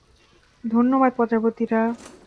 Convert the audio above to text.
ধন্যবাদ, প্রজাপতিরা!